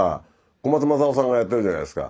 小松政夫さんがやってるじゃないですか。